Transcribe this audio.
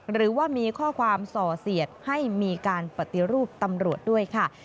หรือว่ามีข้อความส่อเสียดให้มีการปฏิรูปตำรวจด้วยค่ะ